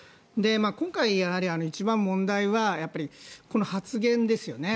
今回、一番問題はこの発言ですよね。